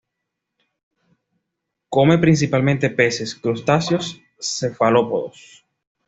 Come principalmente peces, crustáceos cefalópodos.